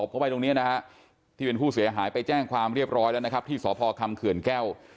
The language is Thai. เข้าไปตรงนี้นะฮะที่เป็นผู้เสียหายไปแจ้งความเรียบร้อยแล้วนะครับที่สพคำเขื่อนแก้ว